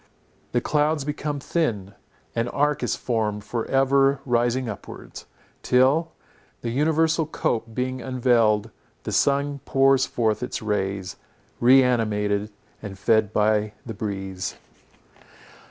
The clouds become thin; an arch is formed for ever rising upwards, till, the universal cope being unveiled, the sun pours forth its rays, re animated and fed by the breeze.